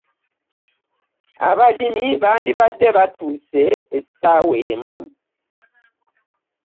Abalimi bandibadde batuuse essawa emu.